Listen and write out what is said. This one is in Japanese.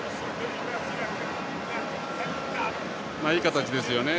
いい形ですよね。